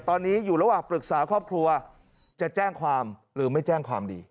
ตอนนี้อยู่ระหว่างปรึกษาครอบครัวจะแจ้งความหรือไม่แจ้งความดี